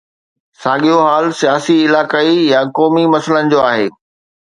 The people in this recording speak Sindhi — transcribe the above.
ساڳيو حال سياسي، علائقائي يا قومي مسئلن جو آهي.